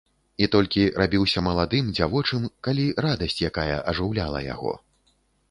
І толькі рабіўся маладым, дзявочым, калі радасць якая ажыўляла яго.